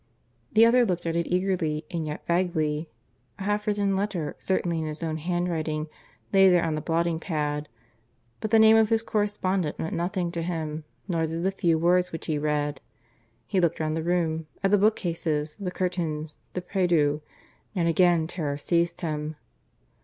The other looked at it eagerly and yet vaguely. A half written letter, certainly in his own handwriting, lay there on the blotting pad, but the name of his correspondent meant nothing to him; nor did the few words which he read. He looked round the room at the bookcases, the curtains, the prie Dieu ... And again terror seized him.